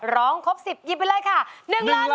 ร้องครบ๑๐ยิบไปเลยค่ะ๑ล้านบาท